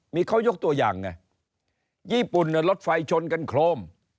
มีข้อยกตัวอย่างไงญี่ปุ่นเนี่ยรถไฟชนกันโครม